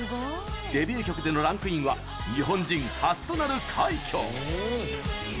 デビュー曲でのランクインは日本人初となる快挙。